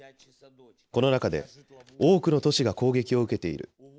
この中で多くの都市が攻撃を受けている。